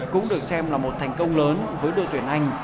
cũng được xem là một thành công lớn với đội tuyển anh